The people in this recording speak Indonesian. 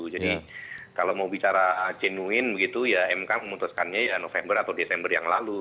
kalau mau bicara jenuin begitu ya mk memutuskannya ya november atau desember yang lalu